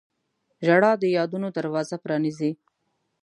• ژړا د یادونو دروازه پرانیزي.